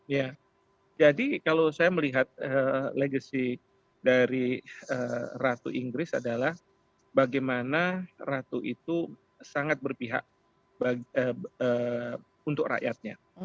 ya jadi kalau saya melihat legacy dari ratu inggris adalah bagaimana ratu itu sangat berpihak untuk rakyatnya